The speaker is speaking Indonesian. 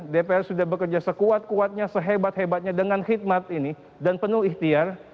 dpr sudah bekerja sekuat kuatnya sehebat hebatnya dengan khidmat ini dan penuh ikhtiar